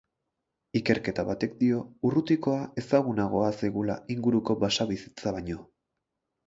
Ikerketa batek dio urrutikoa ezagunagoa zaigula inguruko basabizitza baino.